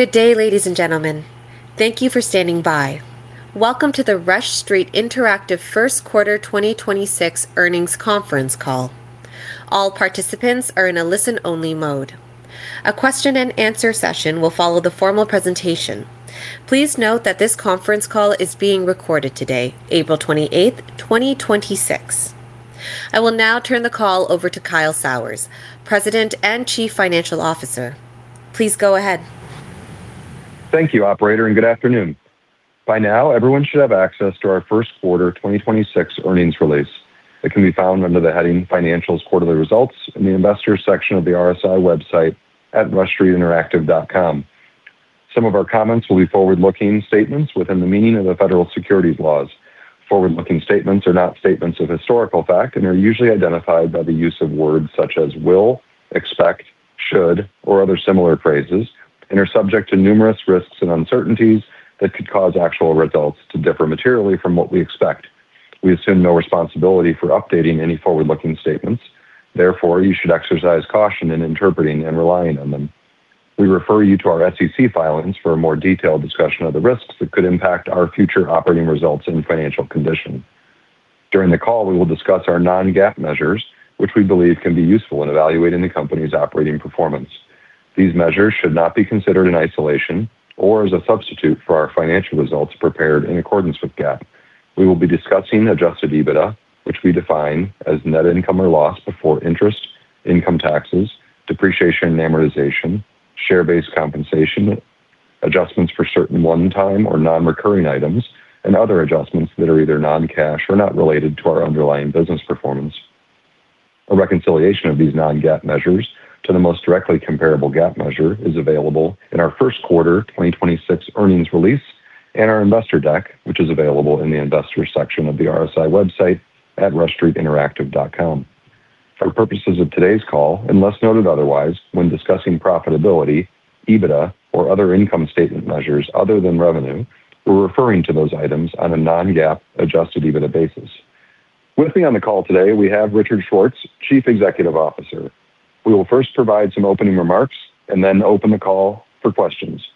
Good day, ladies and gentlemen. Thank you for standing by. Welcome to the Rush Street Interactive First Quarter 2026 Earnings Conference Call. All participants are in a listen-only mode. A question-and-answer session will follow the formal presentation. Please note that this conference call is being recorded today, April 28th, 2026. I will now turn the call over to Kyle Sauers, President and Chief Financial Officer. Please go ahead. Thank you, operator, and good afternoon. By now, everyone should have access to our first quarter 2026 earnings release. It can be found under the heading Financials Quarterly Results in the Investors section of the RSI website at rushstreetinteractive.com. Some of our comments will be forward-looking statements within the meaning of the federal securities laws. Forward-looking statements are not statements of historical fact and are usually identified by the use of words such as will, expect, should, or other similar phrases, and are subject to numerous risks and uncertainties that could cause actual results to differ materially from what we expect. We assume no responsibility for updating any forward-looking statements. You should exercise caution in interpreting and relying on them. We refer you to our SEC filings for a more detailed discussion of the risks that could impact our future operating results and financial condition. During the call, we will discuss our non-GAAP measures, which we believe can be useful in evaluating the company's operating performance. These measures should not be considered in isolation or as a substitute for our financial results prepared in accordance with GAAP. We will be discussing adjusted EBITDA, which we define as net income or loss before interest, income taxes, depreciation and amortization, share-based compensation, adjustments for certain one-time or non-recurring items, and other adjustments that are either non-cash or not related to our underlying business performance. A reconciliation of these non-GAAP measures to the most directly comparable GAAP measure is available in our first quarter 2026 earnings release and our investor deck, which is available in the Investors section of the RSI website at rushstreetinteractive.com. For purposes of today's call, unless noted otherwise, when discussing profitability, EBITDA, or other income statement measures other than revenue, we're referring to those items on a non-GAAP adjusted EBITDA basis. With me on the call today, we have Richard Schwartz, Chief Executive Officer. We will first provide some opening remarks and open the call for questions.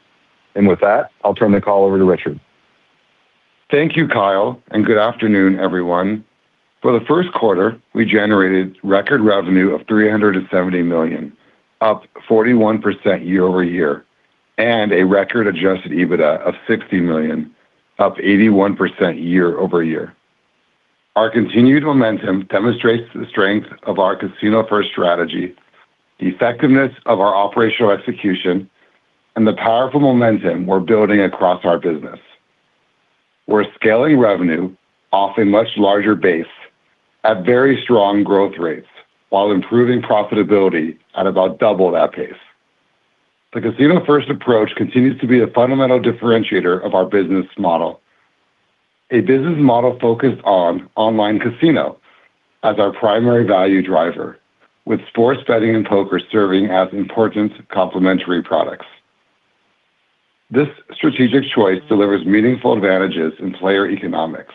With that, I'll turn the call over to Richard. Thank you, Kyle, and good afternoon, everyone. For the first quarter, we generated record revenue of $370 million, up 41% year-over-year, and a record adjusted EBITDA of $60 million, up 81% year-over-year. Our continued momentum demonstrates the strength of our casino-first strategy, the effectiveness of our operational execution, and the powerful momentum we're building across our business. We're scaling revenue off a much larger base at very strong growth rates while improving profitability at about double that pace. The casino-first approach continues to be a fundamental differentiator of our business model, a business model focused on online casino as our primary value driver, with sports betting and poker serving as important complementary products. This strategic choice delivers meaningful advantages in player economics.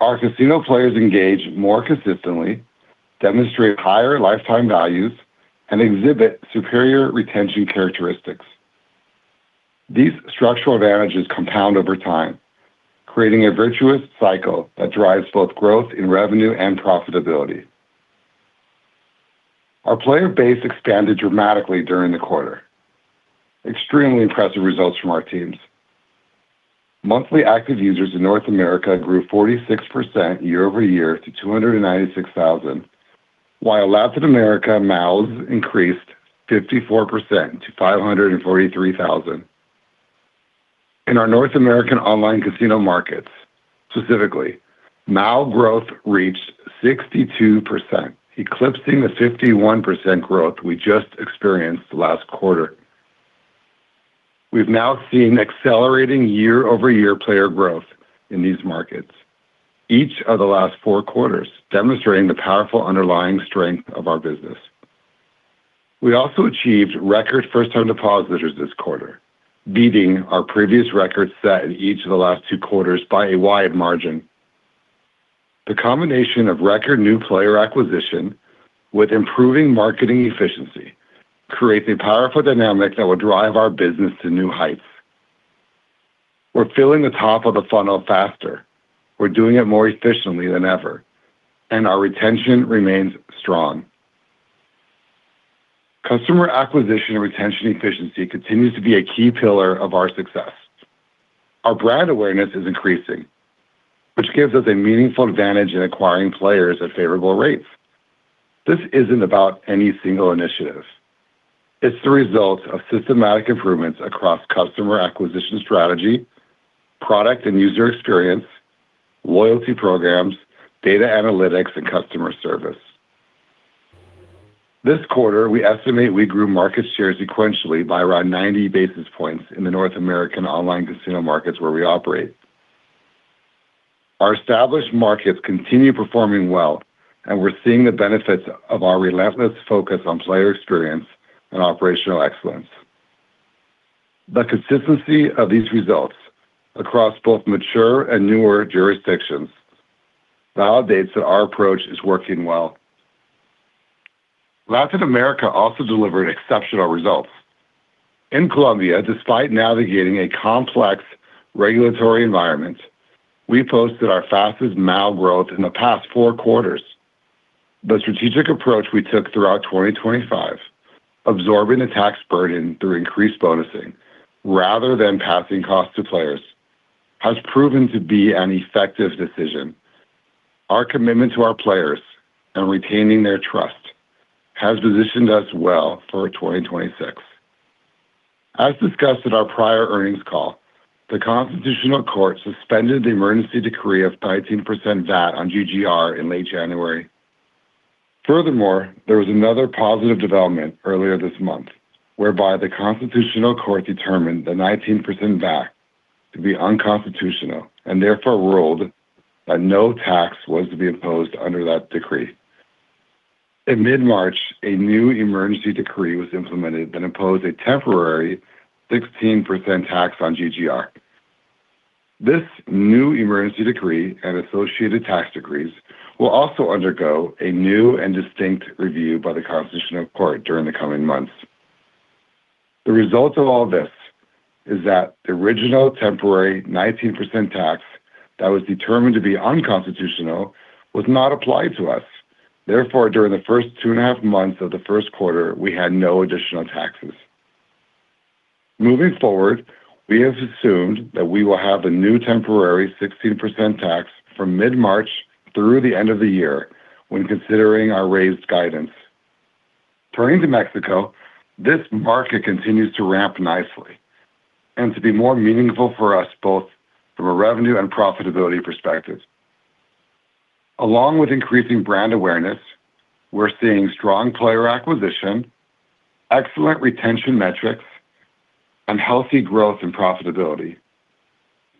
Our casino players engage more consistently, demonstrate higher lifetime values, and exhibit superior retention characteristics. These structural advantages compound over time, creating a virtuous cycle that drives both growth in revenue and profitability. Our player base expanded dramatically during the quarter. Extremely impressive results from our teams. Monthly Active Users in North America grew 46% year-over-year to 296,000, while Latin America MAUs increased 54% to 543,000. In our North American online casino markets specifically, MAU growth reached 62%, eclipsing the 51% growth we just experienced last quarter. We've now seen accelerating year-over-year player growth in these markets each of the last four quarters, demonstrating the powerful underlying strength of our business. We also achieved record first-time depositors this quarter, beating our previous records set in each of the last two quarters by a wide margin. The combination of record new player acquisition with improving marketing efficiency creates a powerful dynamic that will drive our business to new heights. We're filling the top of the funnel faster. We're doing it more efficiently than ever, and our retention remains strong. Customer acquisition and retention efficiency continues to be a key pillar of our success. Our brand awareness is increasing, which gives us a meaningful advantage in acquiring players at favorable rates. This isn't about any single initiative. It's the result of systematic improvements across customer acquisition strategy, product and user experience, loyalty programs, data analytics, and customer service. This quarter, we estimate we grew market share sequentially by around 90 basis points in the North American online casino markets where we operate. Our established markets continue performing well, and we're seeing the benefits of our relentless focus on player experience and operational excellence. The consistency of these results across both mature and newer jurisdictions validates that our approach is working well. Latin America also delivered exceptional results. In Colombia, despite navigating a complex regulatory environment, we posted our fastest MAU growth in the past four quarters. The strategic approach we took throughout 2025, absorbing the tax burden through increased bonusing rather than passing costs to players, has proven to be an effective decision. Our commitment to our players and retaining their trust has positioned us well for 2026. As discussed at our prior earnings call, the Constitutional Court suspended the emergency decree of 13% VAT on GGR in late January. There was another positive development earlier this month whereby the Constitutional Court determined the 19% VAT to be unconstitutional and therefore ruled that no tax was to be imposed under that decree. In mid-March, a new emergency decree was implemented that imposed a temporary 16% tax on GGR. This new emergency decree and associated tax decrees will also undergo a new and distinct review by the Constitutional Court during the coming months. The result of all this is that the original temporary 19% tax that was determined to be unconstitutional was not applied to us. Therefore, during the first 2.5 months of the first quarter, we had no additional taxes. Moving forward, we have assumed that we will have a new temporary 16% tax from mid-March through the end of the year when considering our raised guidance. Turning to Mexico, this market continues to ramp nicely and to be more meaningful for us both from a revenue and profitability perspective. Along with increasing brand awareness, we're seeing strong player acquisition, excellent retention metrics, and healthy growth and profitability.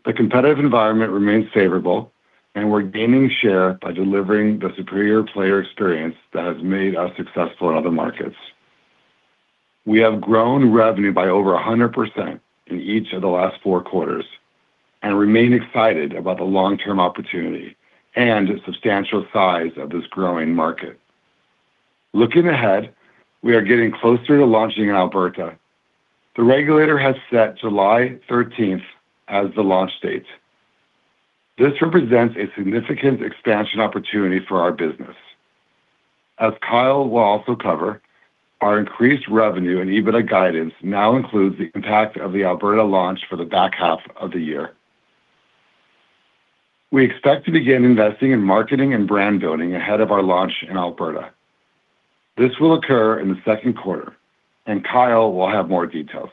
The competitive environment remains favorable, and we're gaining share by delivering the superior player experience that has made us successful in other markets. We have grown revenue by over 100% in each of the last four quarters and remain excited about the long-term opportunity and the substantial size of this growing market. Looking ahead, we are getting closer to launching in Alberta. The regulator has set July 13th as the launch date. This represents a significant expansion opportunity for our business. As Kyle will also cover, our increased revenue and EBITDA guidance now includes the impact of the Alberta launch for the back half of the year. We expect to begin investing in marketing and brand building ahead of our launch in Alberta. This will occur in the second quarter, and Kyle will have more details.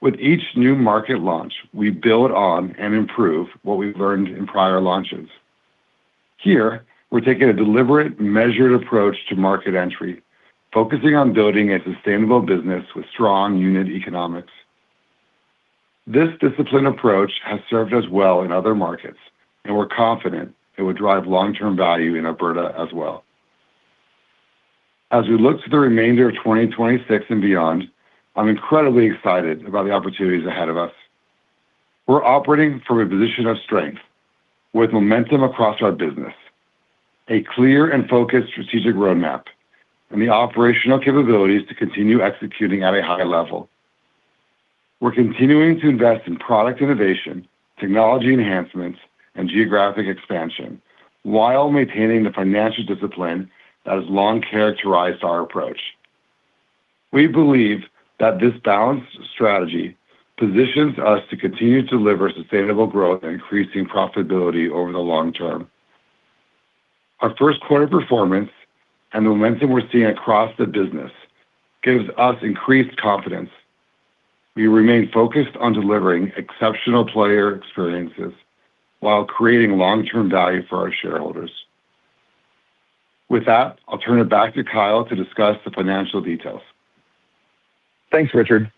With each new market launch, we build on and improve what we've learned in prior launches. Here, we're taking a deliberate, measured approach to market entry, focusing on building a sustainable business with strong unit economics. This disciplined approach has served us well in other markets, and we're confident it will drive long-term value in Alberta as well. As we look to the remainder of 2026 and beyond, I'm incredibly excited about the opportunities ahead of us. We're operating from a position of strength with momentum across our business, a clear and focused strategic roadmap, and the operational capabilities to continue executing at a high level. We're continuing to invest in product innovation, technology enhancements, and geographic expansion while maintaining the financial discipline that has long characterized our approach. We believe that this balanced strategy positions us to continue to deliver sustainable growth and increasing profitability over the long term. Our first quarter performance and the momentum we're seeing across the business gives us increased confidence. We remain focused on delivering exceptional player experiences while creating long-term value for our shareholders. With that, I'll turn it back to Kyle to discuss the financial details. Thanks, Richard.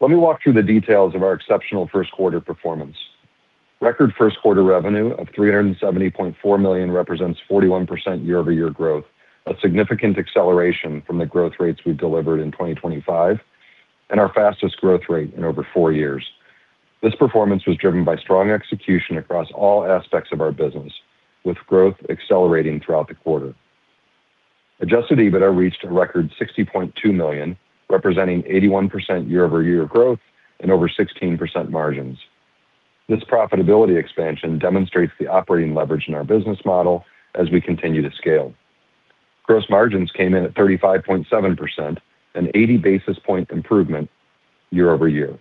Let me walk through the details of our exceptional first quarter performance. Record first quarter revenue of $370.4 million represents 41% year-over-year growth, a significant acceleration from the growth rates we delivered in 2025, and our fastest growth rate in over four years. This performance was driven by strong execution across all aspects of our business, with growth accelerating throughout the quarter. adjusted EBITDA reached a record $60.2 million, representing 81% year-over-year growth and over 16% margins. This profitability expansion demonstrates the operating leverage in our business model as we continue to scale. Gross margins came in at 35.7%, an 80 basis point improvement year-over-year.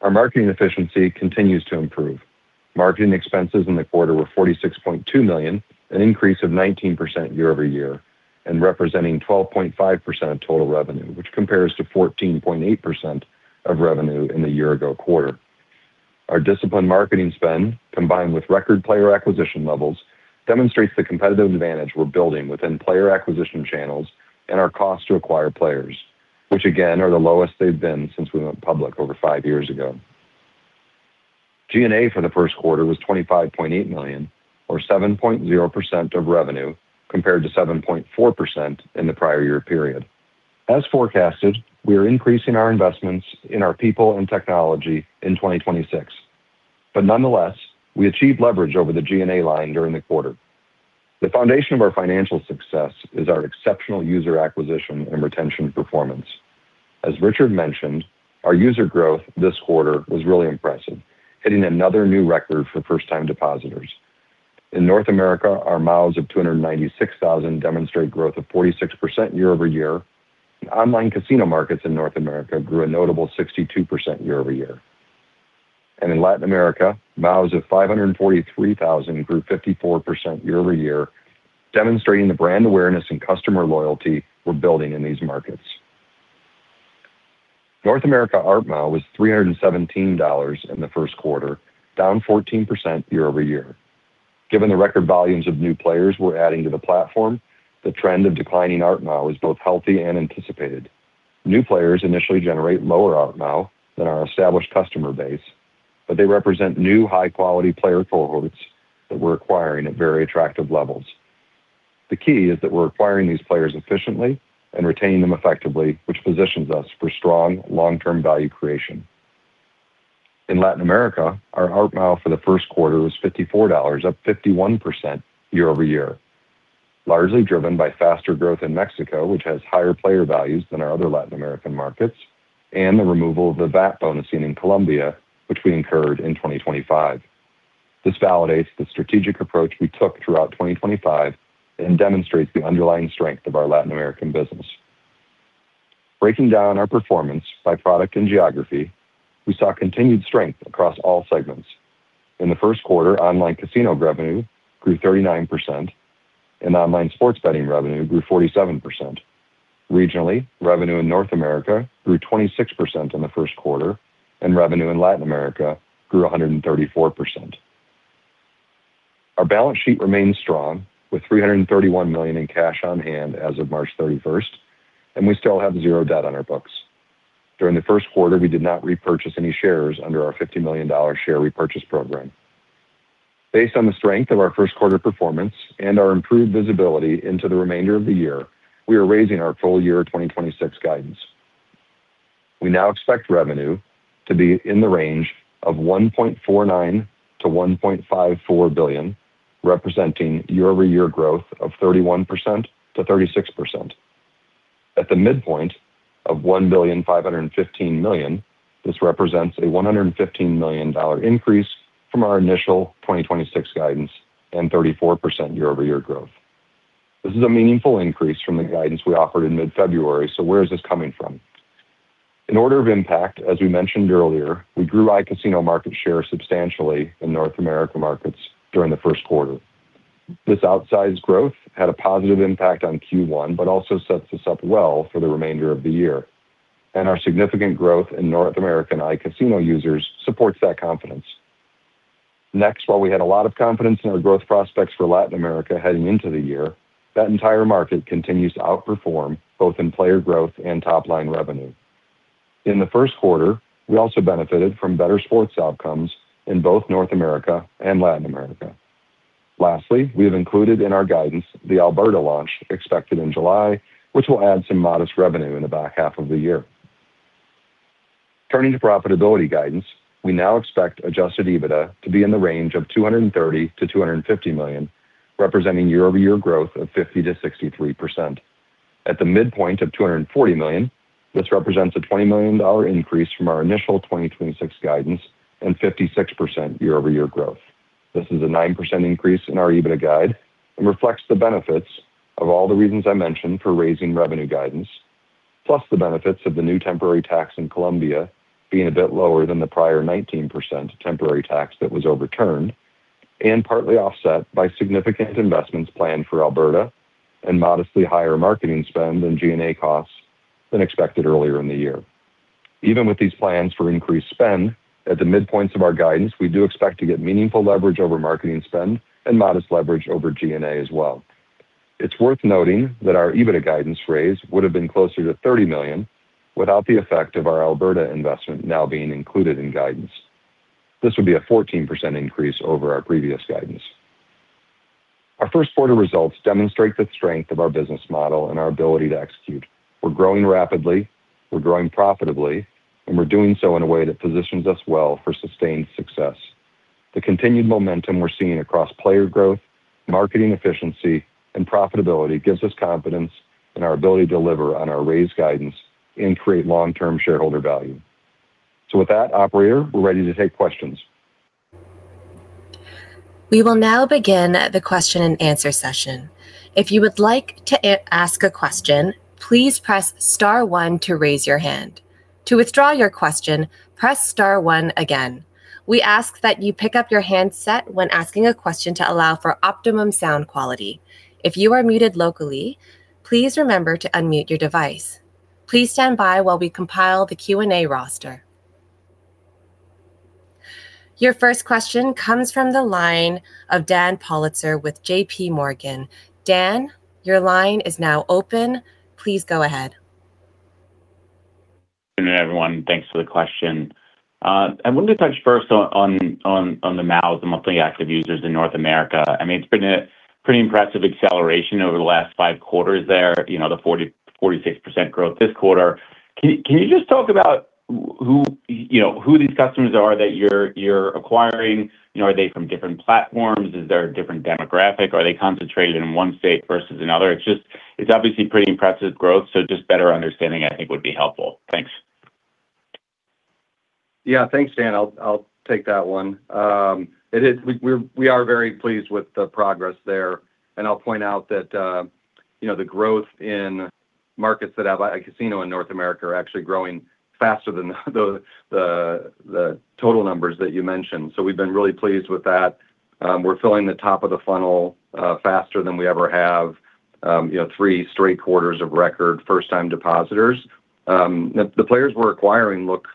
Our marketing efficiency continues to improve. Marketing expenses in the quarter were $46.2 million, an increase of 19% year-over-year, representing 12.5% of total revenue, which compares to 14.8% of revenue in the year-ago quarter. Our disciplined marketing spend, combined with record player acquisition levels, demonstrates the competitive advantage we're building within player acquisition channels and our cost to acquire players, which again, are the lowest they've been since we went public over five years ago. G&A for the first quarter was $25.8 million or 7.0% of revenue, compared to 7.4% in the prior year period. As forecasted, we are increasing our investments in our people and technology in 2026. Nonetheless, we achieved leverage over the G&A line during the quarter. The foundation of our financial success is our exceptional user acquisition and retention performance. As Richard mentioned, our user growth this quarter was really impressive, hitting another new record for first-time depositors. In North America, our MAUs of 296,000 demonstrate growth of 46% year-over-year. Online casino markets in North America grew a notable 62% year-over-year. In Latin America, MAUs of 543,000 grew 54% year-over-year, demonstrating the brand awareness and customer loyalty we're building in these markets. North America ARPMAU was $317 in the first quarter, down 14% year-over-year. Given the record volumes of new players we're adding to the platform, the trend of declining ARPMAU is both healthy and anticipated. New players initially generate lower ARPMAU than our established customer base, but they represent new high-quality player cohorts that we're acquiring at very attractive levels. The key is that we're acquiring these players efficiently and retaining them effectively, which positions us for strong long-term value creation. In Latin America, our ARPMAU for the first quarter was $54, up 51% year-over-year, largely driven by faster growth in Mexico, which has higher player values than our other Latin American markets, and the removal of the VAT bonusing in Colombia, which we incurred in 2025. This validates the strategic approach we took throughout 2025 and demonstrates the underlying strength of our Latin American business. Breaking down our performance by product and geography, we saw continued strength across all segments. In the first quarter, online casino revenue grew 39%, and online sports betting revenue grew 47%. Regionally, revenue in North America grew 26% in the first quarter, and revenue in Latin America grew 134%. Our balance sheet remains strong, with $331 million in cash on hand as of March 31st. We still have zero debt on our books. During the first quarter, we did not repurchase any shares under our $50 million share repurchase program. Based on the strength of our first quarter performance and our improved visibility into the remainder of the year, we are raising our full-year 2026 guidance. We now expect revenue to be in the range of $1.49 billion-$1.54 billion, representing year-over-year growth of 31%-36%. At the midpoint of $1.515 billion, this represents a $115 million increase from our initial 2026 guidance and 34% year-over-year growth. This is a meaningful increase from the guidance we offered in mid-February. Where is this coming from? In order of impact, as we mentioned earlier, we grew iCasino market share substantially in North America markets during the first quarter. This outsized growth had a positive impact on Q1, but also sets us up well for the remainder of the year, and our significant growth in North American iCasino users supports that confidence. Next, while we had a lot of confidence in our growth prospects for Latin America heading into the year, that entire market continues to outperform both in player growth and top-line revenue. In the first quarter, we also benefited from better sports outcomes in both North America and Latin America. Lastly, we have included in our guidance the Alberta launch expected in July, which will add some modest revenue in the back half of the year. Turning to profitability guidance, we now expect adjusted EBITDA to be in the range of $230 million-$250 million, representing year-over-year growth of 50%-63%. At the midpoint of $240 million, this represents a $20 million increase from our initial 2026 guidance and 56% year-over-year growth. This is a 9% increase in our EBITDA guide and reflects the benefits of all the reasons I mentioned for raising revenue guidance, plus the benefits of the new temporary tax in Colombia being a bit lower than the prior 19% temporary tax that was overturned, and partly offset by significant investments planned for Alberta and modestly higher marketing spend and G&A costs than expected earlier in the year. Even with these plans for increased spend, at the midpoints of our guidance, we do expect to get meaningful leverage over marketing spend and modest leverage over G&A as well. It's worth noting that our EBITDA guidance raise would have been closer to $30 million without the effect of our Alberta investment now being included in guidance. This would be a 14% increase over our previous guidance. Our first quarter results demonstrate the strength of our business model and our ability to execute. We're growing rapidly, we're growing profitably, and we're doing so in a way that positions us well for sustained success. The continued momentum we're seeing across player growth, marketing efficiency, and profitability gives us confidence in our ability to deliver on our raised guidance and create long-term shareholder value. With that, operator, we're ready to take questions. Your first question comes from the line of Dan Politzer with J.P. Morgan. Dan, your line is now open. Please go ahead. Good morning, everyone. Thanks for the question. I wanted to touch first on the MAUs, the monthly active users in North America. I mean, it's been a pretty impressive acceleration over the last five quarters there, you know, the 46% growth this quarter. Can you just talk about who, you know, who these customers are that you're acquiring? You know, are they from different platforms? Is there a different demographic? Are they concentrated in one state versus another? It's just. It's obviously pretty impressive growth, so just better understanding I think would be helpful. Thanks. Yeah. Thanks, Dan. I'll take that one. We are very pleased with the progress there. I'll point out that, you know, the growth in markets that have iCasino in North America are actually growing faster than the total numbers that you mentioned. We're filling the top of the funnel faster than we ever have. You know, three straight quarters of record first-time depositors. The players we're acquiring look.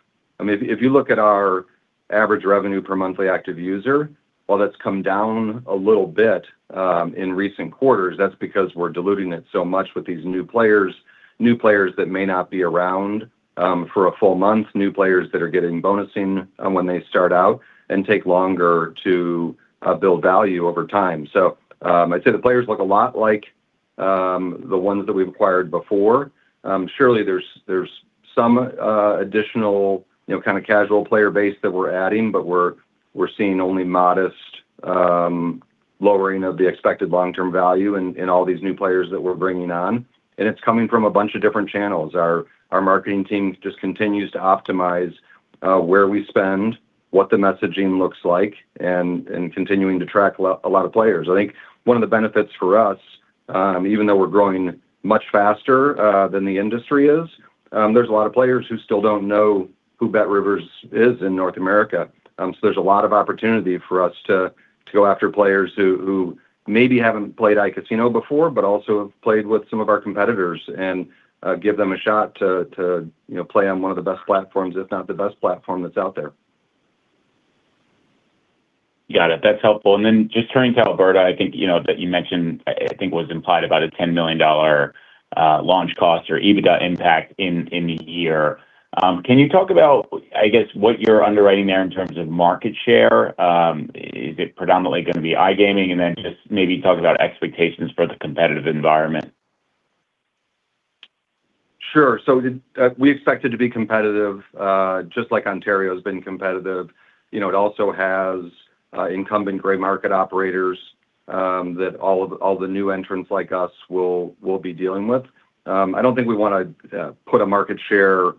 I mean, if you look at our average revenue per monthly active user, while that's come down a little bit, in recent quarters, that's because we're diluting it so much with these new players, new players that may not be around for a full month, new players that are getting bonusing when they start out and take longer to build value over time. I'd say the players look a lot like the ones that we've acquired before. Surely there's some additional, you know, kind of casual player base that we're adding, but we're seeing only modest lowering of the expected long-term value in all these new players that we're bringing on, and it's coming from a bunch of different channels. Our marketing team just continues to optimize where we spend, what the messaging looks like, and continuing to track a lot of players. I think one of the benefits for us, even though we're growing much faster than the industry is, there's a lot of players who still don't know who BetRivers is in North America. There's a lot of opportunity for us to go after players who maybe haven't played iCasino before, but also have played with some of our competitors, and give them a shot to, you know, play on one of the best platforms, if not the best platform that's out there. Got it. That's helpful. Then just turning to Alberta, I think you mentioned, I think was implied about a $10 million launch cost or EBITDA impact in the year. Can you talk about, I guess, what you're underwriting there in terms of market share? Is it predominantly gonna be iGaming? Then just maybe talk about expectations for the competitive environment. Sure. We expect it to be competitive, just like Ontario's been competitive. You know, it also has incumbent gray market operators that all the new entrants like us will be dealing with. I don't think we wanna put a market share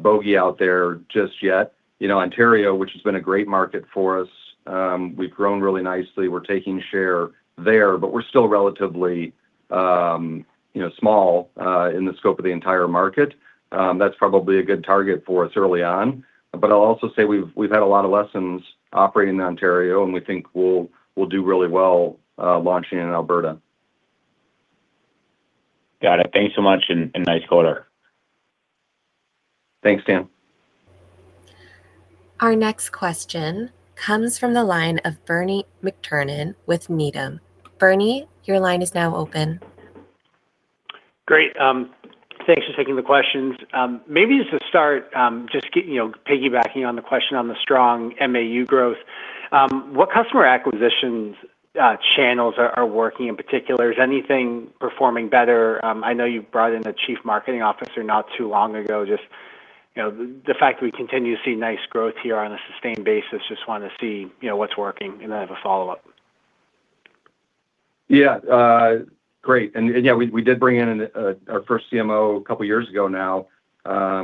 bogey out there just yet. You know, Ontario, which has been a great market for us, we've grown really nicely. We're taking share there, but we're still relatively, you know, small in the scope of the entire market. That's probably a good target for us early on. I'll also say we've had a lot of lessons operating in Ontario, and we think we'll do really well launching in Alberta. Got it. Thank you so much, and nice quarter. Thanks, Dan. Our next question comes from the line of Bernie McTernan with Needham. Bernie, your line is now open. Great. Thanks for taking the questions. Maybe just to start, you know, piggybacking on the question on the strong MAU growth, what customer acquisitions channels are working in particular? Is anything performing better? I know you've brought in a chief marketing officer not too long ago. Just, you know, the fact we continue to see nice growth here on a sustained basis, just wanna see, you know, what's working. Then I have a follow-up. Yeah. Great. Yeah, we did bring in our first CMO a couple years ago now.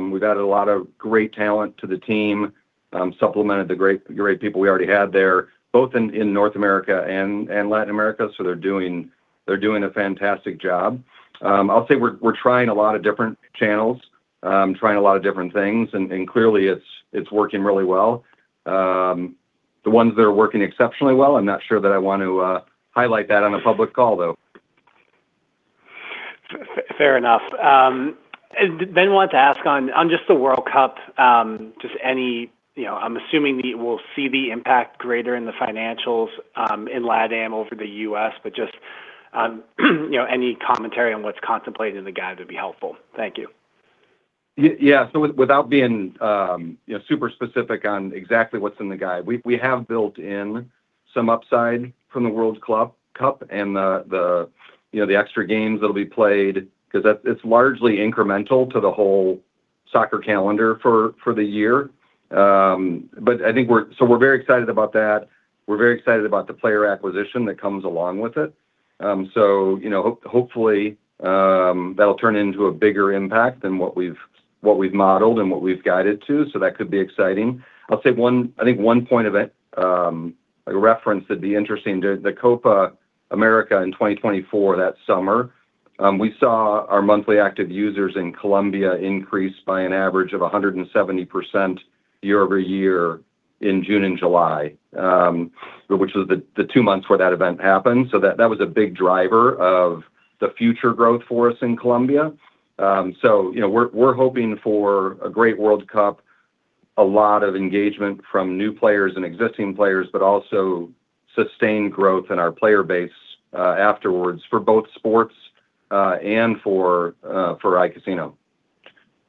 We've added a lot of great talent to the team, supplemented the great people we already had there, both in North America and Latin America, so they're doing a fantastic job. I'll say we're trying a lot of different channels, trying a lot of different things, clearly it's working really well. The ones that are working exceptionally well, I'm not sure that I want to highlight that on a public call though. fair enough. I wanted to ask on just the World Cup. You know, I'm assuming we will see the impact greater in the financials, in LatAm over the U.S., but just, you know, any commentary on what's contemplated in the guide would be helpful. Thank you. Yeah, without being, you know, super specific on exactly what's in the guide, we have built in some upside from the FIFA Club World Cup and the, you know, the extra games that'll be played. It's largely incremental to the whole soccer calendar for the year. We're very excited about that. We're very excited about the player acquisition that comes along with it. You know, hopefully, that'll turn into a bigger impact than what we've modeled and what we've guided to. That could be exciting. I think one point of it, like a reference that'd be interesting. The Copa América in 2024, that summer, we saw our monthly active users in Colombia increase by an average of 170% year-over-year in June and July, which was the two months where that event happened. That was a big driver of the future growth for us in Colombia. You know, we're hoping for a great World Cup. A lot of engagement from new players and existing players, but also sustained growth in our player base afterwards for both sports and for iCasino.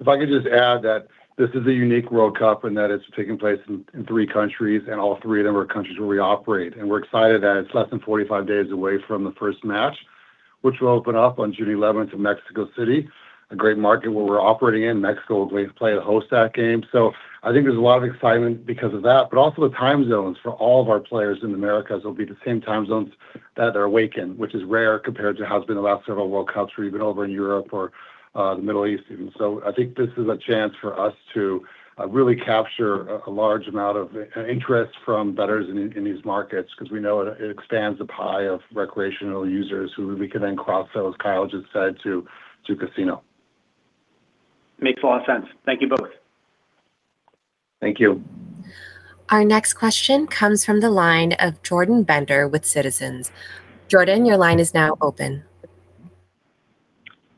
If I could just add that this is a unique World Cup in that it's taking place in three countries, and all three of them are countries where we operate. We're excited that it's less than 45 days away from the first match, which will open up on July 11th in Mexico City, a great market where we're operating in. Mexico is going to play and host that game. I think there's a lot of excitement because of that. Also the time zones for all of our players in Americas, it'll be the same time zones that they're awake in, which is rare compared to how it's been the last several World Cups where you've been over in Europe or the Middle East even. I think this is a chance for us to really capture a large amount of interest from bettors in these markets, 'cause we know it expands the pie of recreational users who we can then cross those sports side to casino. Makes a lot of sense. Thank you both. Thank you. Our next question comes from the line of Jordan Bender with Citizens. Jordan, your line is now open.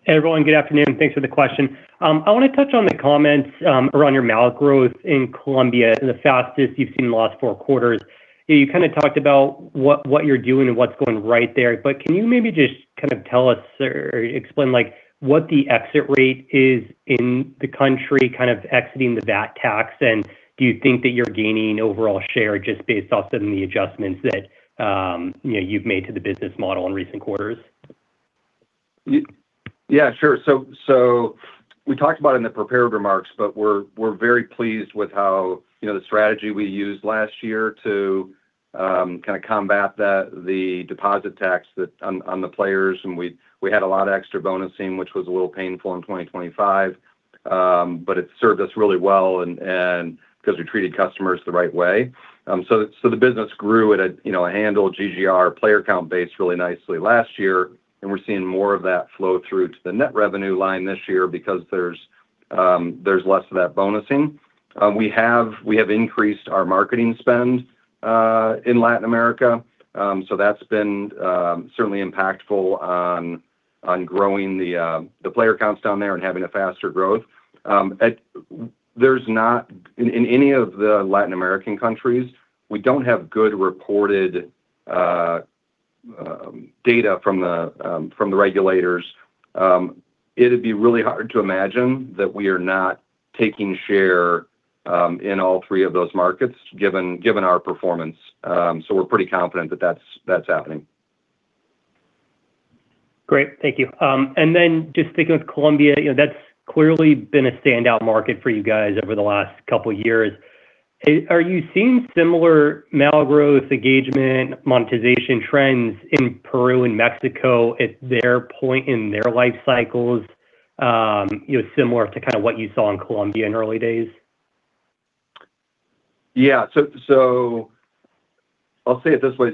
Hey, everyone. Good afternoon. Thanks for the question. I wanna touch on the comments, around your MAU growth in Colombia, the fastest you've seen in the last four quarters. You kinda talked about what you're doing and what's going right there, but can you maybe just kind of tell us or explain, like, what the exit rate is in the country kind of exiting the VAT tax? Do you think that you're gaining overall share just based off some of the adjustments that, you know, you've made to the business model in recent quarters? Yeah, sure. We talked about it in the prepared remarks, but we're very pleased with how, you know, the strategy we used last year to kinda combat the deposit tax that on the players, and we had a lot of extra bonusing, which was a little painful in 2025. But it served us really well and 'cause we treated customers the right way. So the business grew at a, you know, a handle GGR player count base really nicely last year, and we're seeing more of that flow through to the net revenue line this year because there's less of that bonusing. We have increased our marketing spend in Latin America. That's been certainly impactful on growing the player counts down there and having a faster growth. In any of the Latin American countries, we don't have good reported data from the regulators. It'd be really hard to imagine that we are not taking share in all three of those markets given our performance. We're pretty confident that that's happening. Great. Thank you. Then just sticking with Colombia, you know, that's clearly been a standout market for you guys over the last couple years. Are you seeing similar MAU growth, engagement, monetization trends in Peru and Mexico at their point in their life cycles, you know, similar to kind of what you saw in Colombia in early days? I'll say it this way.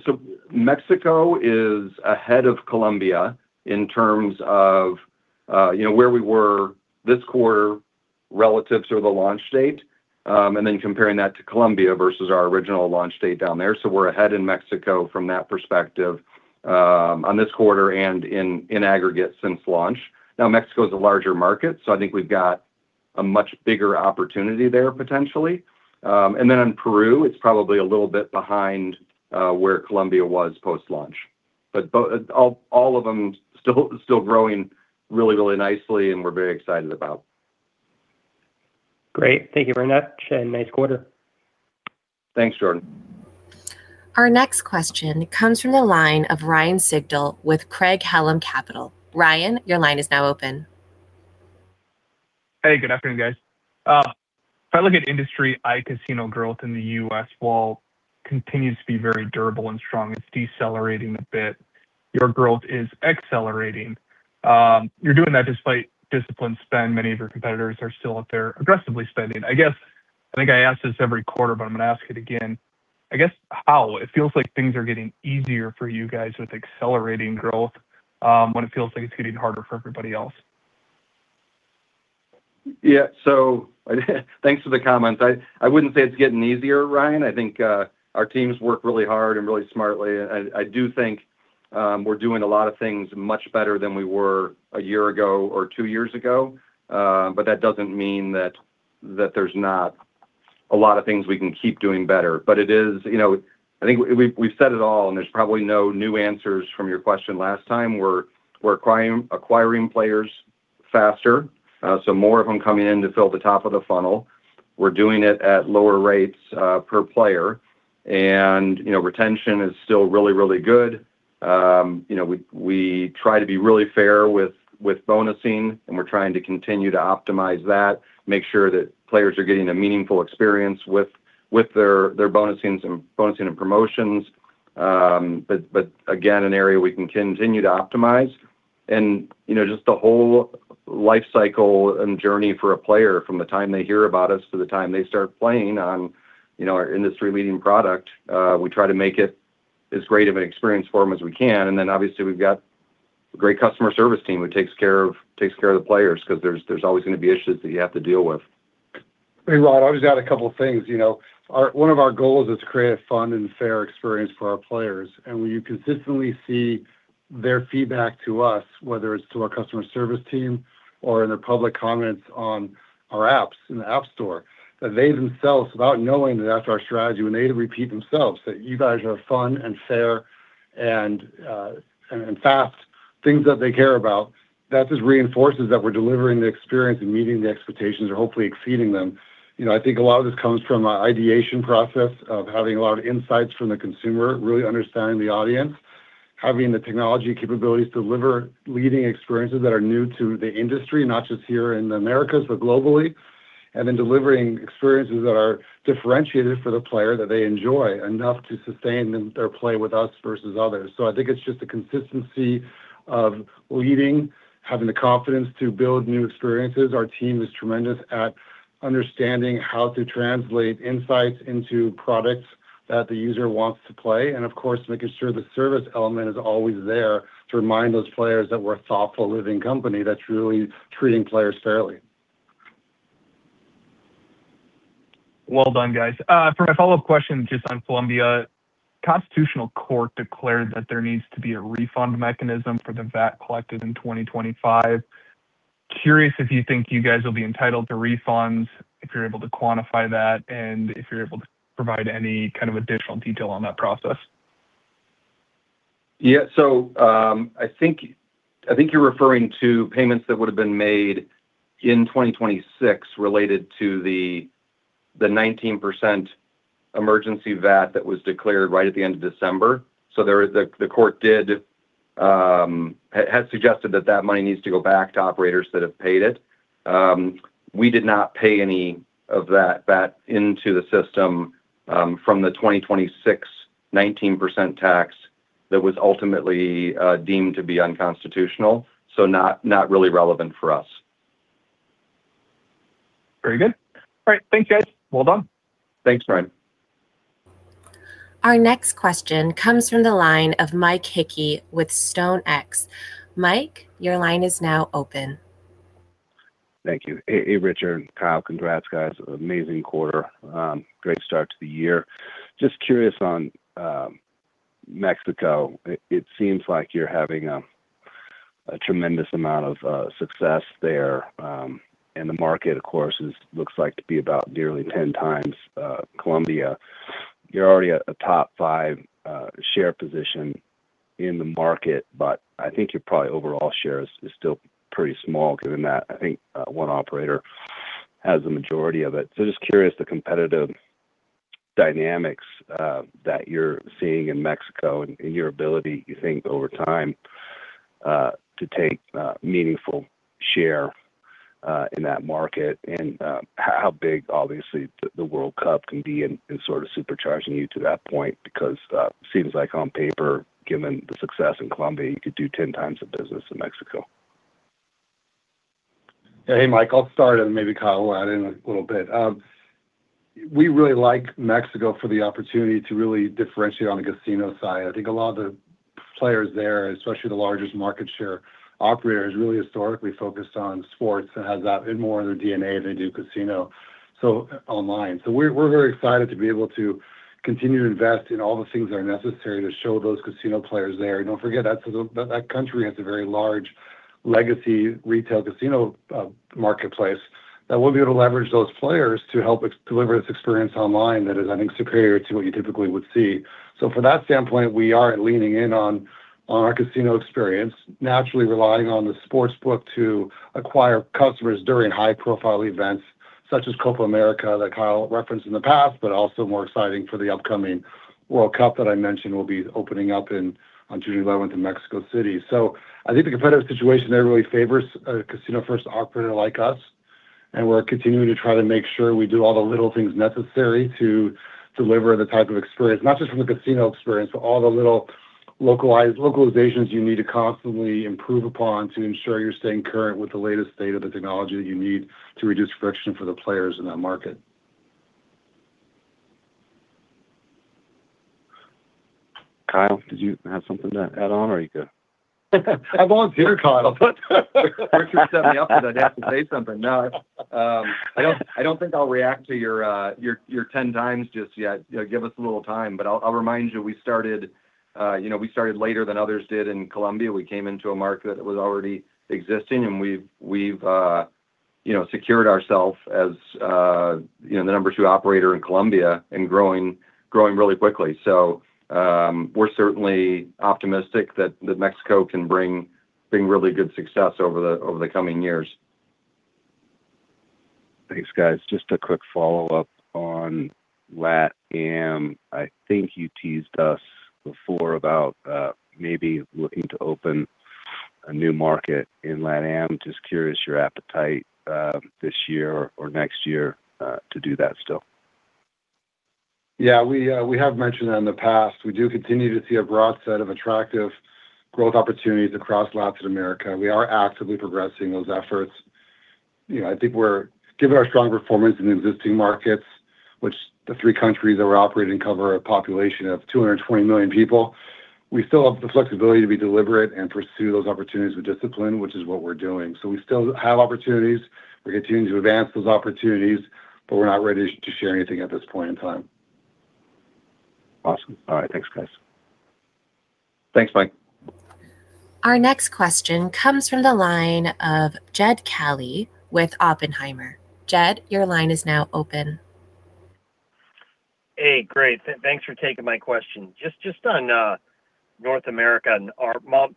Mexico is ahead of Colombia in terms of, you know, where we were this quarter relative to the launch date, and then comparing that to Colombia versus our original launch date down there. We're ahead in Mexico from that perspective, on this quarter and in aggregate since launch. Mexico's a larger market, so I think we've got a much bigger opportunity there potentially. In Peru, it's probably a little bit behind where Colombia was post-launch. All of them still growing really nicely and we're very excited about. Great. Thank you very much. Nice quarter. Thanks, Jordan. Our next question comes from the line of Ryan Sigdahl with Craig-Hallum Capital. Ryan, your line is now open. Hey, good afternoon, guys. If I look at industry iCasino growth in the U.S., while continues to be very durable and strong, it's decelerating a bit. Your growth is accelerating. You're doing that despite disciplined spend. Many of your competitors are still out there aggressively spending. I guess, I think I ask this every quarter, but I'm gonna ask it again. I guess, how? It feels like things are getting easier for you guys with accelerating growth, when it feels like it's getting harder for everybody else. Yeah. Thanks for the comment. I wouldn't say it's getting easier, Ryan. I think our teams work really hard and really smartly. I do think we're doing a lot of things much better than we were a year ago or two years ago. That doesn't mean there's not a lot of things we can keep doing better. It is, you know, I think we've said it all and there's probably no new answers from your question last time. We're acquiring players faster, so more of them coming in to fill the top of the funnel. We're doing it at lower rates per player. You know, retention is still really good. You know, we try to be really fair with bonusing, and we're trying to continue to optimize that, make sure that players are getting a meaningful experience with their bonusing and promotions. Again, an area we can continue to optimize. You know, just the whole life cycle and journey for a player from the time they hear about us to the time they start playing on, you know, our industry-leading product, we try to make it as great of an experience for them as we can. Obviously we've got a great customer service team who takes care of the players, 'cause there's always gonna be issues that you have to deal with. Hey, Ryan, I'll just add a couple things. You know, one of our goals is to create a fun and fair experience for our players. When you consistently see their feedback to us, whether it's to our customer service team or in the public comments on our apps in the App Store, that they themselves, without knowing that that's our strategy, when they repeat themselves, that you guys are fun and fair and fast, things that they care about. That just reinforces that we're delivering the experience and meeting the expectations or hopefully exceeding them. You know, I think a lot of this comes from an ideation process of having a lot of insights from the consumer, really understanding the audience, having the technology capabilities to deliver leading experiences that are new to the industry, not just here in the Americas, but globally, and then delivering experiences that are differentiated for the player that they enjoy enough to sustain their play with us versus others. I think it's just the consistency of leading, having the confidence to build new experiences. Our team is tremendous at understanding how to translate insights into products that the user wants to play, and of course, making sure the service element is always there to remind those players that we're a thoughtful, living company that's really treating players fairly. Well done, guys. For my follow-up question, just on Colombia. Constitutional Court declared that there needs to be a refund mechanism for the VAT collected in 2025. Curious if you think you guys will be entitled to refunds, if you're able to quantify that, and if you're able to provide any kind of additional detail on that process. I think you're referring to payments that would have been made in 2026 related to the 19% emergency VAT that was declared right at the end of December. The Constitutional Court did suggest that that money needs to go back to operators that have paid it. We did not pay any of that VAT into the system from the 2026 19% tax that was ultimately deemed to be unconstitutional, so not really relevant for us. Very good. All right. Thanks, guys. Well done. Thanks, Ryan. Our next question comes from the line of Mike Hickey with StoneX. Mike, your line is now open. Thank you. Hey, hey, Richard, Kyle. Congrats, guys. Amazing quarter. Great start to the year. Just curious on Mexico. It seems like you're having a tremendous amount of success there. The market, of course, looks like to be about nearly 10x Colombia. You're already at a top five share position in the market. I think your probably overall share is still pretty small given that I think one operator has a majority of it. Just curious the competitive dynamics that you're seeing in Mexico and your ability you think over time to take meaningful share in that market. How big obviously the World Cup can be in sort of supercharging you to that point. Seems like on paper, given the success in Colombia, you could do 10x the business in Mexico. Yeah. Hey, Mike. I'll start, maybe Kyle will add in a little bit. We really like Mexico for the opportunity to really differentiate on the casino side. I think a lot of the players there, especially the largest market share operator, is really historically focused on sports and has that in more of their DNA than they do casino, so online. We're very excited to be able to continue to invest in all the things that are necessary to show those casino players there. Don't forget, that's that country has a very large legacy retail casino marketplace that we'll be able to leverage those players to help deliver this experience online that is, I think, superior to what you typically would see. From that standpoint, we are leaning in on our casino experience, naturally relying on the sportsbook to acquire customers during high-profile events such as Copa América that Kyle referenced in the past, but also more exciting for the upcoming World Cup that I mentioned will be opening up in, on July eleventh in Mexico City. I think the competitive situation there really favors a casino-first operator like us, and we're continuing to try to make sure we do all the little things necessary to deliver the type of experience, not just from the casino experience, but all the little localized localizations you need to constantly improve upon to ensure you're staying current with the latest state-of-the-technology that you need to reduce friction for the players in that market. Kyle, did you have something to add on or are you good? I wasn't here, Kyle. Richard set me up as I'd have to say something. No. I don't think I'll react to your, your 10x just yet. You know, give us a little time, but I'll remind you, we started, you know, we started later than others did in Colombia. We came into a market that was already existing and we've, you know, secured ourself as, you know, the number two operator in Colombia and growing really quickly. We're certainly optimistic that the Mexico can bring really good success over the coming years. Thanks, guys. Just a quick follow-up on Lat Am. I think you teased us before about, maybe looking to open a new market in Lat Am. Just curious your appetite, this year or next year, to do that still? Yeah, we have mentioned that in the past. We do continue to see a broad set of attractive growth opportunities across Latin America. We are actively progressing those efforts. You know, I think we're given our strong performance in existing markets, which the three countries that we're operating cover a population of 220 million people, we still have the flexibility to be deliberate and pursue those opportunities with discipline, which is what we're doing. We still have opportunities. We continue to advance those opportunities, but we're not ready to share anything at this point in time. Awesome. All right, thanks guys. Thanks, Mike. Our next question comes from the line of Jed Kelly with Oppenheimer. Jed, your line is now open. Hey, great. Thanks for taking my question. Just on North America and ARPMAUs,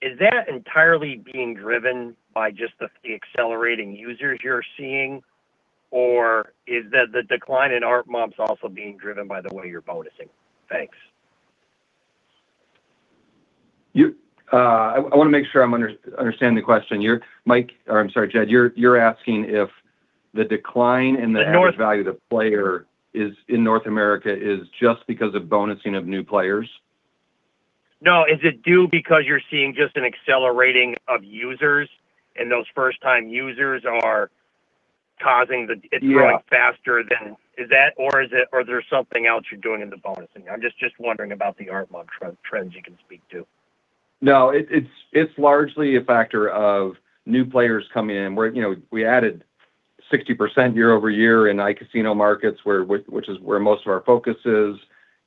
is that entirely being driven by just the accelerating users you're seeing? Or is the decline in ARPMAUs also being driven by the way you're bonusing? Thanks. You. I want to make sure I'm understanding the question. You're Mike Hickey, or I'm sorry, Jed Kelly, you're asking if the decline in the. In North. Average value to player is, in North America, is just because of bonusing of new players? No, is it due because you're seeing just an accelerating of users, and those first time users are causing? Yeah Is that, or is there something else you're doing in the bonusing? I'm just wondering about the ARPMAU trends you can speak to. No, it's, it's largely a factor of new players coming in, where, you know, we added 60% year-over-year in iCasino markets which is where most of our focus is.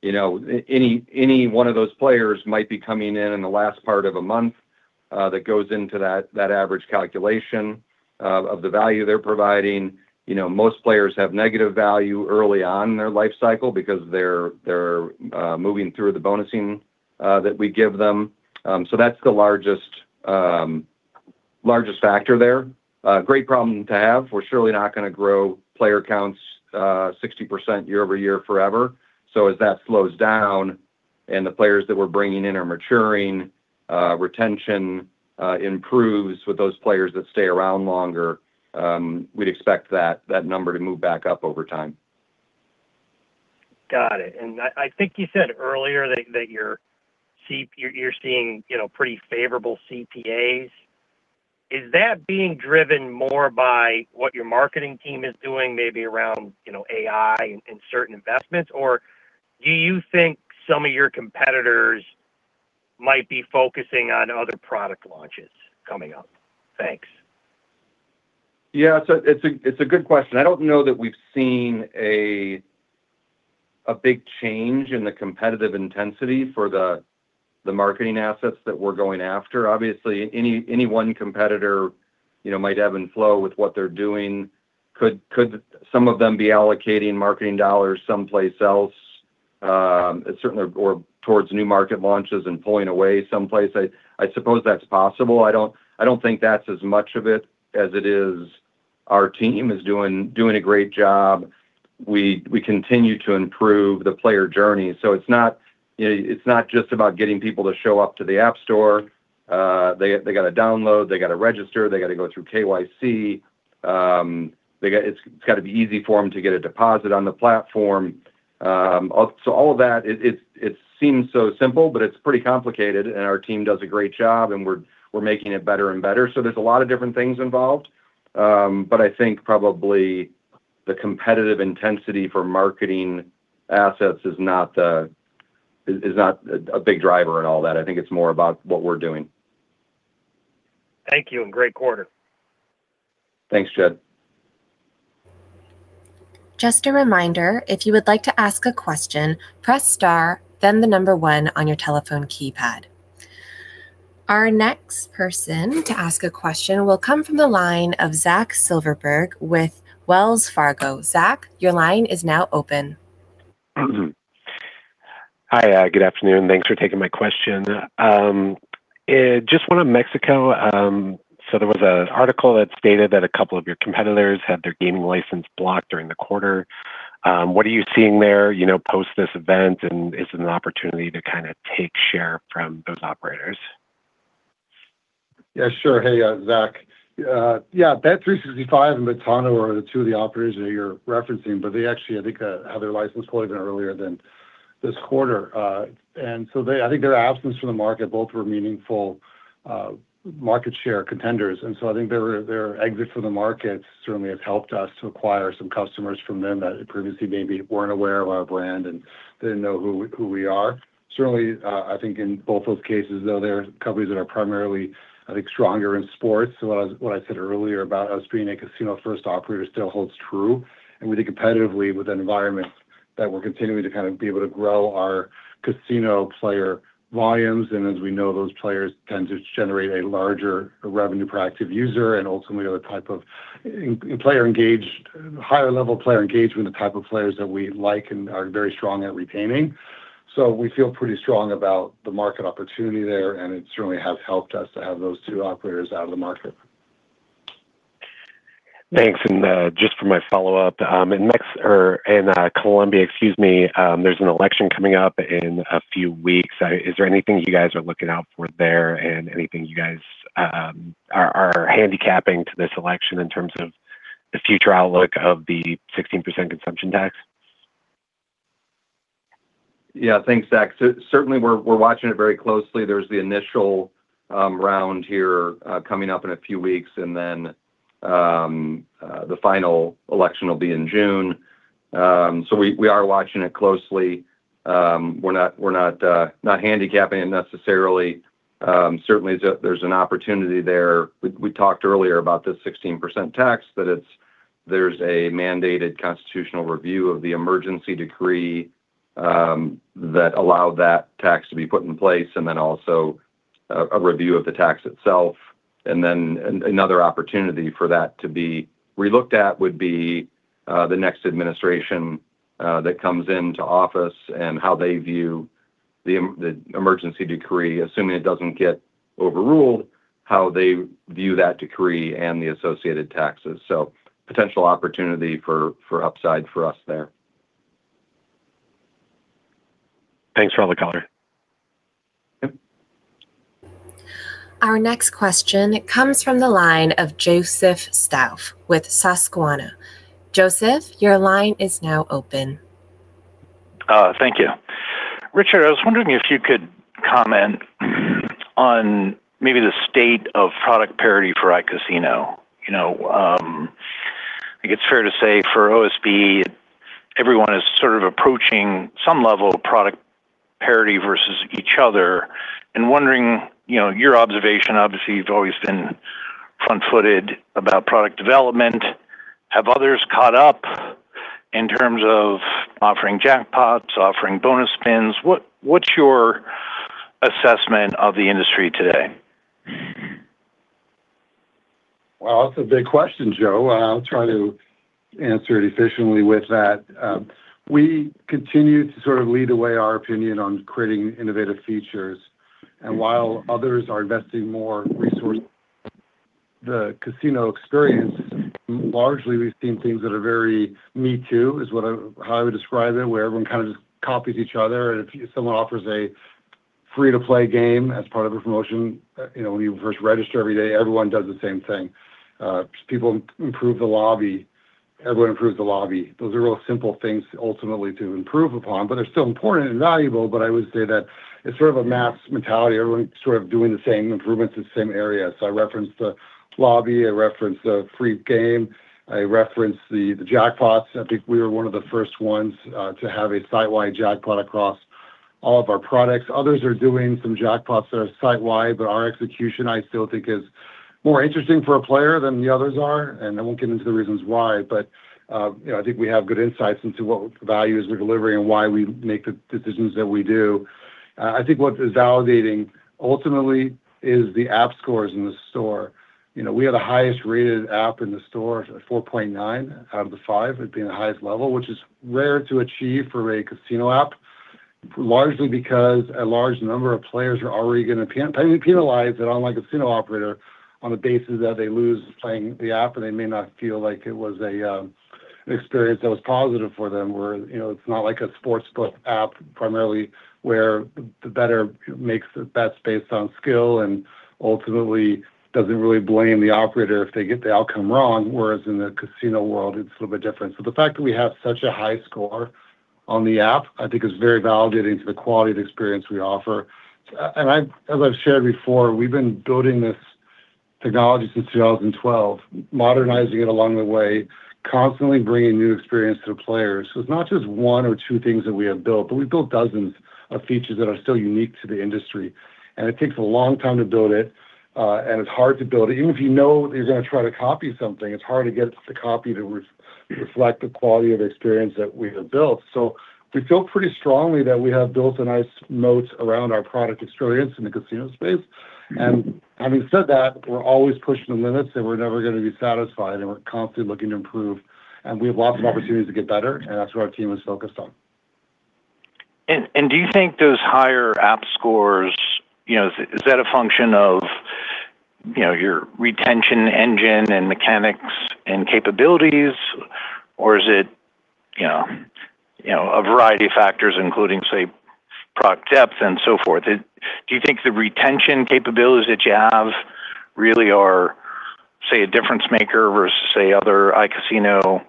You know, any one of those players might be coming in in the last part of a month that goes into that average calculation of the value they're providing. You know, most players have negative value early on in their life cycle because they're moving through the bonusing that we give them. That's the largest factor there. Great problem to have. We're surely not gonna grow player counts 60% year-over-year forever. As that slows down and the players that we're bringing in are maturing, retention improves with those players that stay around longer. We'd expect that number to move back up over time. Got it. I think you said earlier that you're seeing, you know, pretty favorable CPAs. Is that being driven more by what your marketing team is doing, maybe around, you know, AI and certain investments? Or do you think some of your competitors might be focusing on other product launches coming up? Thanks. It's a good question. I don't know that we've seen a big change in the competitive intensity for the marketing assets that we're going after. Obviously any one competitor, you know, might ebb and flow with what they're doing. Could some of them be allocating marketing dollars someplace else, certainly or towards new market launches and pulling away someplace? I suppose that's possible. I don't think that's as much of it as it is our team is doing a great job. We continue to improve the player journey. It's not, you know, it's not just about getting people to show up to the App Store. They gotta download, they gotta register, they gotta go through KYC. It's gotta be easy for them to get a deposit on the platform. All of that, it seems so simple, but it's pretty complicated and our team does a great job and we're making it better and better. There's a lot of different things involved. I think probably the competitive intensity for marketing assets is not the, is not a big driver in all that. I think it's more about what we're doing. Thank you, and great quarter. Thanks, Jed. Just a reminder, if you would like to ask a question, press star then the number one on your telephone keypad. Our next person to ask a question will come from the line of Zach Silverberg with Wells Fargo. Zach, your line is now open. Hi, good afternoon. Thanks for taking my question. Just went to Mexico. There was an article that stated that a couple of your competitors had their gaming license blocked during the quarter. What are you seeing there, you know, post this event, and is it an opportunity to kinda take share from those operators? Yeah, sure. Hey, Zach. Yeah, Bet365 and Betano are the two of the operators that you're referencing, but they actually I think had their license pulled even earlier than this quarter. They, I think their absence from the market, both were meaningful market share contenders. I think their exit from the market certainly has helped us to acquire some customers from them that previously maybe weren't aware of our brand and didn't know who we are. Certainly, I think in both those cases though, they're companies that are primarily, I think, stronger in sports. What I said earlier about us being a casino-first operator still holds true. We think competitively with the environment that we're continuing to kind of be able to grow our casino player volumes. As we know, those players tend to generate a larger revenue per active user, and ultimately are the type of player engaged, higher level player engagement, the type of players that we like and are very strong at retaining. We feel pretty strong about the market opportunity there, and it certainly has helped us to have those two operators out of the market. Thanks. Just for my follow-up, in Colombia, excuse me, there's an election coming up in a few weeks. Is there anything you guys are looking out for there, and anything you guys are handicapping to this election in terms of the future outlook of the 16% consumption tax? Yeah, thanks, Zach. Certainly we're watching it very closely. There's the initial round here coming up in a few weeks and then the final election will be in June. We are watching it closely. We're not handicapping it necessarily. Certainly there's an opportunity there. We talked earlier about this 16% tax. There's a mandated constitutional review of the emergency decree that allowed that tax to be put in place, and then also a review of the tax itself. Another opportunity for that to be relooked at would be the next administration that comes into office and how they view the emergency decree, assuming it doesn't get overruled, how they view that decree and the associated taxes. Potential opportunity for upside for us there. Thanks for all the color. Yep. Our next question comes from the line of Joseph Stauff with Susquehanna. Joseph, your line is now open. Thank you. Richard, I was wondering if you could comment on maybe the state of product parity for iCasino. You know, I think it's fair to say for OSB, everyone is sort of approaching some level of product parity versus each other and wondering, you know, your observation. Obviously, you've always been front-footed about product development. Have others caught up in terms of offering jackpots, offering bonus spins? What's your assessment of the industry today? Well, that's a big question, Joe, and I'll try to answer it efficiently with that. We continue to sort of lead the way our opinion on creating innovative features. While others are investing more resources, the casino experience, largely we've seen things that are very me too is what I how I would describe it, where everyone kind of just copies each other. If someone offers a free-to-play game as part of a promotion, you know, when you first register every day, everyone does the same thing. People improve the lobby. Everyone improves the lobby. Those are all simple things ultimately to improve upon, but they're still important and valuable. I would say that it's sort of a mass mentality. Everyone's sort of doing the same improvements in the same areas. I referenced the lobby. I referenced the free game. I referenced the jackpots. I think we were one of the first ones to have a site-wide jackpot across all of our products. Others are doing some jackpots that are site-wide, our execution, I still think, is more interesting for a player than the others are, and I won't get into the reasons why. You know, I think we have good insights into what values we're delivering and why we make the decisions that we do. I think what is validating ultimately is the app scores in the store. You know, we have the highest rated app in the store. 4.9 out of the five. It'd be the highest level, which is rare to achieve for a casino app, largely because a large number of players are already gonna penalize an online casino operator on the basis that they lose playing the app, or they may not feel like it was an experience that was positive for them, where, you know, it's not like a sportsbook app primarily, where the better makes the bets based on skill and ultimately doesn't really blame the operator if they get the outcome wrong, whereas in the casino world it's a little bit different. The fact that we have such a high score on the app, I think is very validating to the quality of the experience we offer. As I've shared before, we've been building this technology since 2012, modernizing it along the way, constantly bringing new experience to the players. It's not just one or two things that we have built, but we've built dozens of features that are still unique to the industry, and it takes a long time to build it, and it's hard to build it. Even if you know they're gonna try to copy something, it's hard to get the copy to reflect the quality of the experience that we have built. We feel pretty strongly that we have built a nice moat around our product experience in the casino space. Having said that, we're always pushing the limits, and we're never going to be satisfied, and we're constantly looking to improve, and we have lots of opportunities to get better, and that's what our team is focused on. Do you think those higher app scores, you know, is that a function of, you know, your retention engine and mechanics and capabilities, or is it, you know, a variety of factors, including, say, product depth and so forth? Do you think the retention capabilities that you have really are, say, a difference maker versus, say, other iCasino,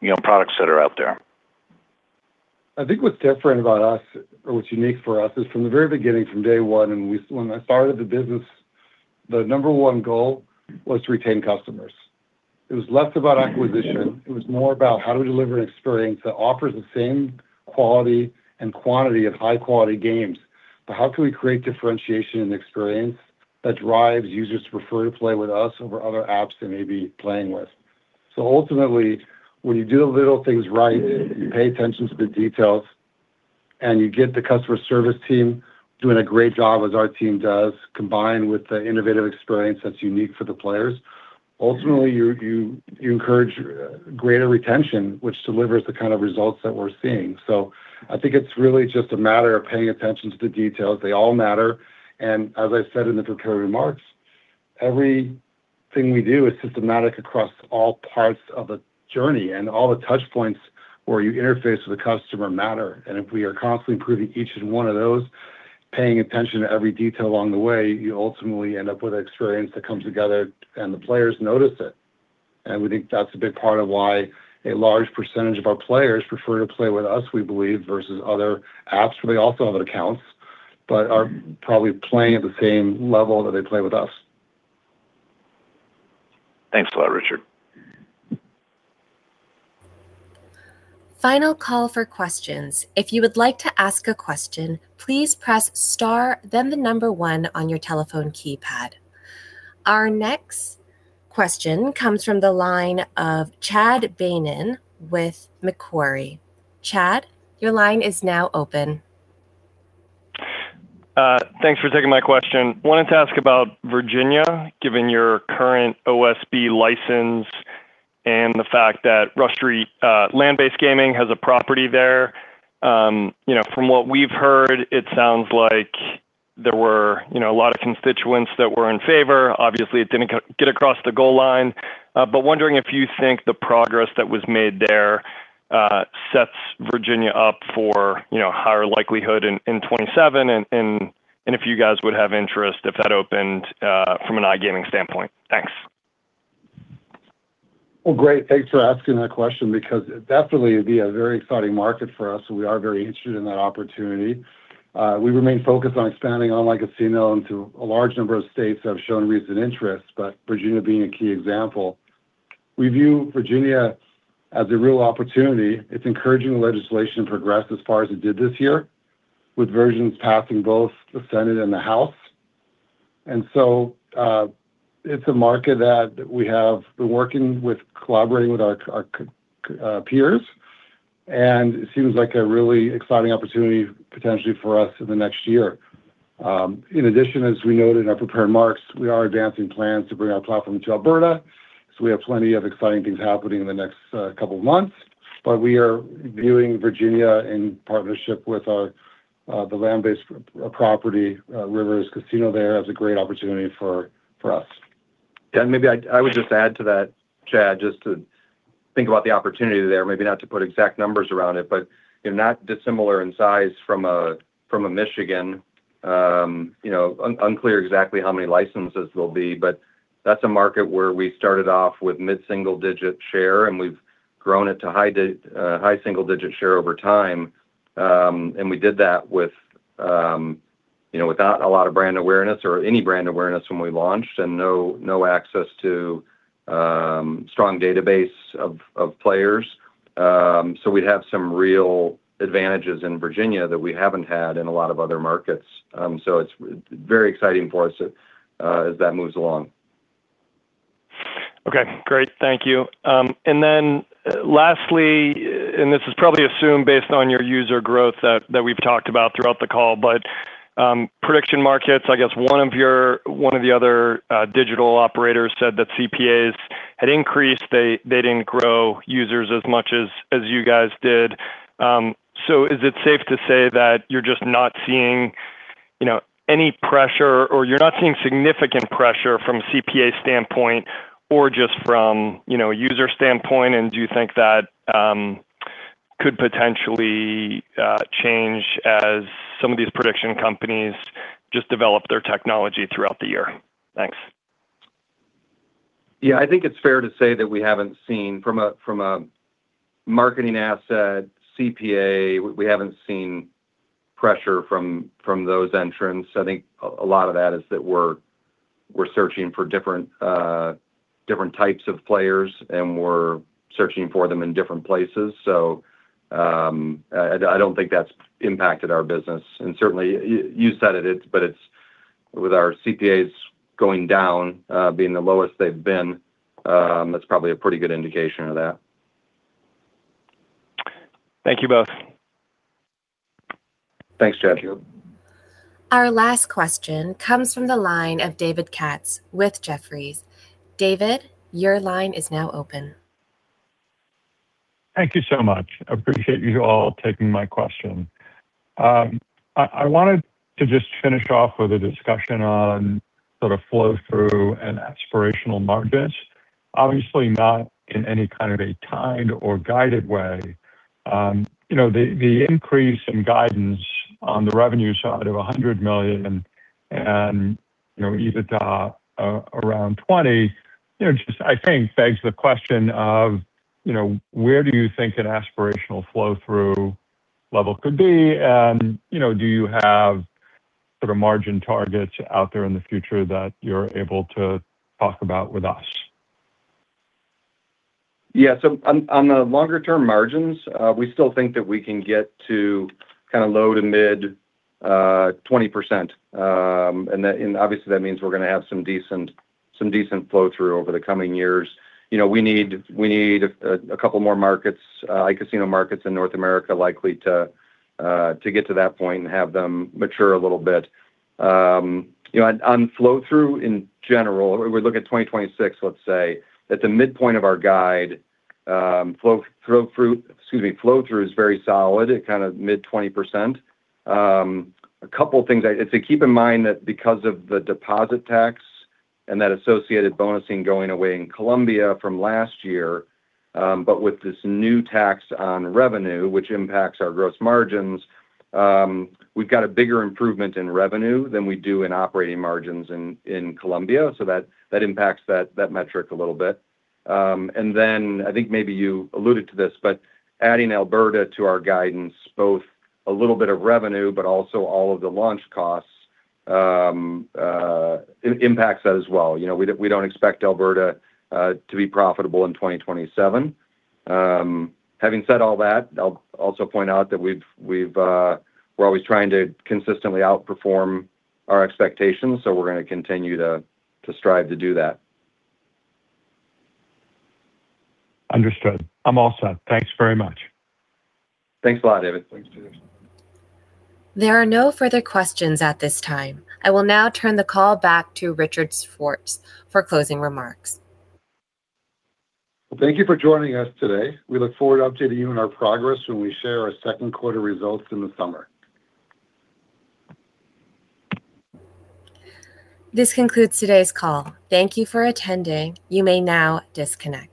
you know, products that are out there? I think what's different about us or what's unique for us is from the very beginning, from day one, when I started the business, the number one goal was to retain customers. It was less about acquisition. It was more about how do we deliver an experience that offers the same quality and quantity of high-quality games. How can we create differentiation and experience that drives users to prefer to play with us over other apps they may be playing with? Ultimately, when you do the little things right, you pay attention to the details, and you get the customer service team doing a great job as our team does, combined with the innovative experience that's unique for the players. Ultimately, you encourage greater retention, which delivers the kind of results that we're seeing. I think it's really just a matter of paying attention to the details. They all matter. As I said in the prepared remarks, everything we do is systematic across all parts of the journey. All the touch points where you interface with the customer matter. If we are constantly improving each one of those, paying attention to every detail along the way, you ultimately end up with an experience that comes together and the players notice it. We think that's a big part of why a large percentage of our players prefer to play with us, we believe, versus other apps where they also have accounts but are probably playing at the same level that they play with us. Thanks a lot, Richard. Our next question comes from the line of Chad Beynon with Macquarie. Chad, your line is now open. Thanks for taking my question. Wanted to ask about Virginia, given your current OSB license and the fact that Rush Street Gaming has a property there. You know, from what we've heard, it sounds like there were, you know, a lot of constituents that were in favor. Obviously, it didn't get across the goal line. Wondering if you think the progress that was made there sets Virginia up for, you know, higher likelihood in 2027 and if you guys would have interest if that opened from an iGaming standpoint. Thanks. Well, great. Thanks for asking that question because it definitely would be a very exciting market for us, we are very interested in that opportunity. We remain focused on expanding on like a CML into a large number of states that have shown recent interest, Virginia being a key example. We view Virginia as a real opportunity. It's encouraging legislation progressed as far as it did this year, with versions passing both the Senate and the House. It's a market that we have been working with collaborating with our peers, it seems like a really exciting opportunity potentially for us in the next year. In addition, as we noted in our prepared marks, we are advancing plans to bring our platform to Alberta, we have plenty of exciting things happening in the next couple of months. We are viewing Virginia in partnership with our the land-based property Rivers Casino there as a great opportunity for us. Maybe I would just add to that, Chad, just to think about the opportunity there, maybe not to put exact numbers around it, but you're not dissimilar in size from a Michigan. You know, unclear exactly how many licenses there'll be, that's a market where we started off with mid-single-digit share, and we've grown it to high-single-digit share over time. We did that with, you know, without a lot of brand awareness or any brand awareness when we launched and no access to strong database of players. We'd have some real advantages in Virginia that we haven't had in a lot of other markets. It's very exciting for us as that moves along. Okay, great. Thank you. Lastly, this is probably assumed based on your user growth that we've talked about throughout the call, but prediction markets, I guess one of the other digital operators said that CPAs had increased. They didn't grow users as much as you guys did. Is it safe to say that you're just not seeing, you know, any pressure or you're not seeing significant pressure from a CPA standpoint or just from, you know, a user standpoint? Do you think that could potentially change as some of these prediction companies just develop their technology throughout the year? Thanks. Yeah, I think it's fair to say that we haven't seen from a marketing asset CPA, we haven't seen pressure from those entrants. I think a lot of that is that we're searching for different types of players, and we're searching for them in different places. I don't think that's impacted our business. Certainly, you said it, but it's with our CPAs going down, being the lowest they've been, that's probably a pretty good indication of that. Thank you both. Thanks, Chad. Thank you. Our last question comes from the line of David Katz with Jefferies. David, your line is now open. Thank you so much. I appreciate you all taking my question. I wanted to just finish off with a discussion on sort of flow through and aspirational margins. Obviously not in any kind of a timed or guided way. You know, the increase in guidance on the revenue side of $100 million and, you know, EBITDA around $20, you know, just I think begs the question of, you know, where do you think an aspirational flow through level could be? You know, do you have sort of margin targets out there in the future that you're able to talk about with us? On the longer term margins, we still think that we can get to kind of low to mid 20%. Obviously, that means we're going to have some decent flow through over the coming years. You know, we need a couple more iCasino markets in North America likely to get to that point and have them mature a little bit. You know, on flow through in general, we're looking at 2026, let's say. At the midpoint of our guide, flow through is very solid at kind of mid 20%. A couple things to keep in mind that because of the deposit tax and that associated bonusing going away in Colombia from last year, but with this new tax on revenue, which impacts our gross margins, we've got a bigger improvement in revenue than we do in operating margins in Colombia. That, that impacts that metric a little bit. I think maybe you alluded to this, but adding Alberta to our guidance, both a little bit of revenue, but also all of the launch costs, impacts that as well. You know, we don't expect Alberta to be profitable in 2027. Having said all that, I'll also point out that we've, we're always trying to consistently outperform our expectations, we're gonna continue to strive to do that. Understood. I'm all set. Thanks very much. Thanks a lot, David. Thanks, David. There are no further questions at this time. I will now turn the call back to Richard Schwartz for closing remarks. Well, thank you for joining us today. We look forward to updating you on our progress when we share our second quarter results in the summer. This concludes today's call. Thank you for attending. You may now disconnect.